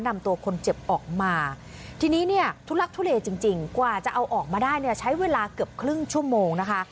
นำตัวคนเจ็บออกมาทีนี้เนี่ยทุลักทุเลจริงจริงกว่าจะเอาออกมาได้เนี่ยใช้เวลาเกือบครึ่งชั่วโมงนะคะ